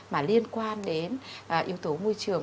mà liên quan đến yếu tố môi trường